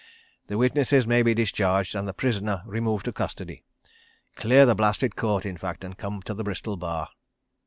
The witnesses may be discharged, and the prisoner removed to custody. ... Clear the blasted Court, in fact, and come to the Bristol Bar.